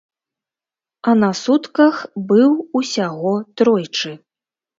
А на сутках быў усяго тройчы.